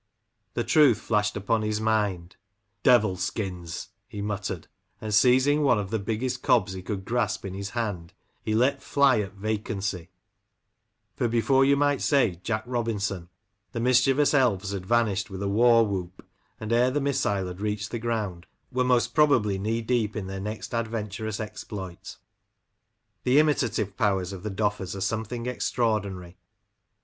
The truth flashed upon his mind :'* Devilskins !" he muttered, and seizing one of the biggest cobs he could grasp in his hand, he let fly at vacancy ; for before you might say "Jack Robinson," the mischievous elves had vanished with a war whoop, and ere the missile had reached the ground, were most probably knee deep in their next adventurous exploit The imitative powers of the Do£fers are' something extra ordinary.